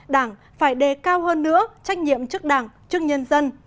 đảng phải đề cao hơn nữa trách nhiệm trước đảng trước nhân dân